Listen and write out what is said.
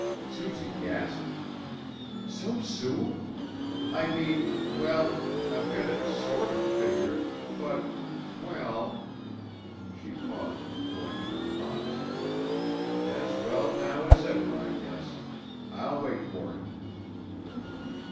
Suzy gasped. "So soon? I mean, well, I've got it sort of figured, but, well," she paused, collecting her thoughts. "As well now as ever, I guess. I'll wait for him."